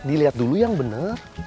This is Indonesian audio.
dilihat dulu yang benar